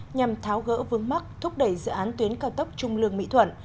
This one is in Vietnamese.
nhằm tháo gỡ vướng mắt thúc đẩy dự án tuyến cao tốc trung lương mỹ thuận